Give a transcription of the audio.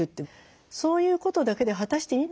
そういうことだけで果たしていいんだろうか。